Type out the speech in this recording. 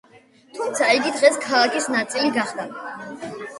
თუმცა, იგი დღეს ქალაქის ნაწილი გახდა.